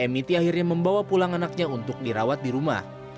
mit akhirnya membawa pulang anaknya untuk dirawat di rumah